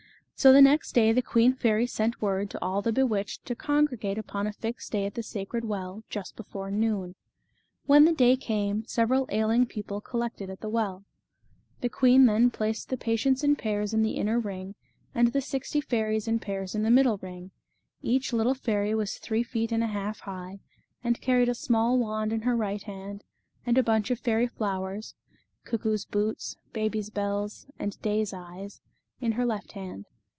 So the next day the queen fairy sent word to all the bewitched to congregate upon a fixed day at the sacred well, just before noon. When the day came, several ailing people collected at the well. The queen then placed the patients in pairs in the inner ring, and the sixty fairies in pairs in the middle ring. Each little fairy was three feet and a half high, and carried a small wand in her right hand, and a bunch of fairy flowers cuckoo's boots, baby's bells, and day's eyes in her left hand.